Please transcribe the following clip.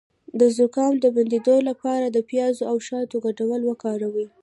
د زکام د بندیدو لپاره د پیاز او شاتو ګډول وکاروئ